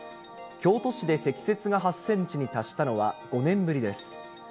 京都市で積雪が８センチに達したのは５年ぶりです。